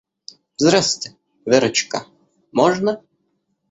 Здрасте, Верочка, можно?